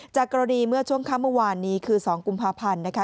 จากกรณีเมื่อช่วงค่ำเมื่อวานนี้คือ๒กุมภาพันธ์นะคะ